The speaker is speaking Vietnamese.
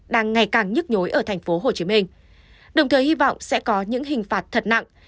đang ngày càng nhức nhối ở tp hcm đồng thời hy vọng sẽ có những hình phạt thật nặng